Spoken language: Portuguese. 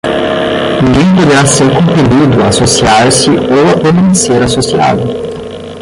ninguém poderá ser compelido a associar-se ou a permanecer associado